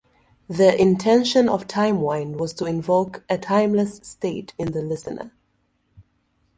The intention of "Timewind" was to invoke a timeless state in the listener.